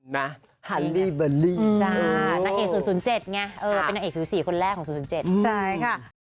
นะฮาร์ลิเบอร์รี่นางเอก๐๐๗ไงเป็นนางเอกที่๔คนแรก๐๐๗